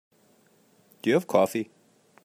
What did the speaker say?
Do you have coffee?